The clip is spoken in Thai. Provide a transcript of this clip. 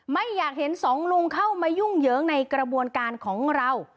ไม่อยากเห็นสองลุงเข้ามายุ่งเหยิงในกระบวนการของเรา